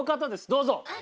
どうぞ。